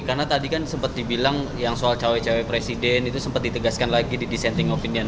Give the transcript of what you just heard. karena tadi kan sempat dibilang yang soal cowok cowok presiden itu sempat ditegaskan lagi di dissenting opinion